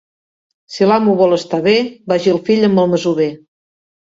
Si l'amo vol estar bé, vagi el fill amb el masover.